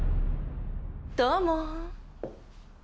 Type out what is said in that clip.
・どうも。